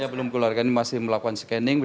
belum keluar kami masih melakukan scanning